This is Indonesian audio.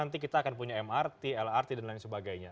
nanti kita akan punya mrt lrt dan lain sebagainya